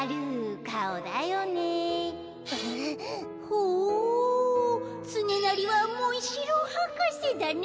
ほうつねなりはモンシローはかせだね。